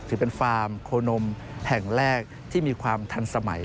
ถือเป็นฟาร์มโคนมแห่งแรกที่มีความทันสมัย